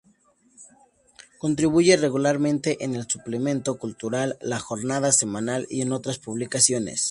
Contribuye regularmente en el suplemento cultural La Jornada Semanal y en otras publicaciones.